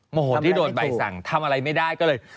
คนที่โดนใบสั่งทำอะไรไม่ได้ก็เลย